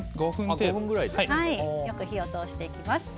よく火を通していきます。